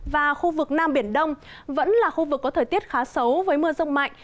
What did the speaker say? và khu vực nam biển đông vẫn là khu vực có thời tiết khá xấu với mưa rông mạnh